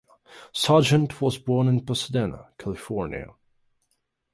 Sargent was born in Pasadena, California.